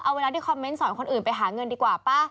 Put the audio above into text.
เอาเวลาที่คอมเมนต์สอนคนอื่นไปหาเงินดีกว่าป่ะ